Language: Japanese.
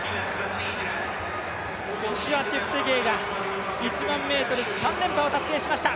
ジョシュア・チェプテゲイが１００００ｍ、３連覇を達成しました。